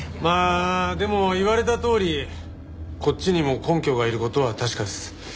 まあでも言われたとおりこっちにも根拠がいる事は確かです。